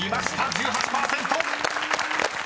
１８％］